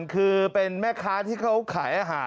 คือเป็นแม่ค้าที่เขาขายอาหาร